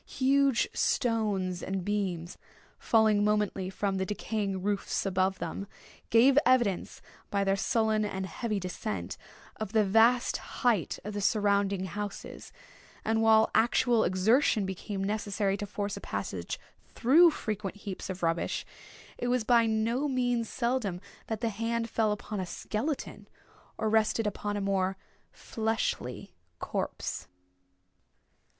Huge stones and beams falling momently from the decaying roofs above them, gave evidence, by their sullen and heavy descent, of the vast height of the surrounding houses; and while actual exertion became necessary to force a passage through frequent heaps of rubbish, it was by no means seldom that the hand fell upon a skeleton or rested upon a more fleshly corpse.